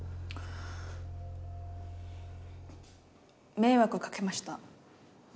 迷惑かけました。